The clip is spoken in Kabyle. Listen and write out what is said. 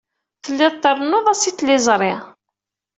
Telliḍ trennuḍ-as i tliẓri.